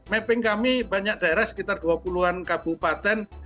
mapping kami banyak daerah sekitar dua puluh an kabupaten